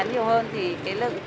người ta ăn rác hôi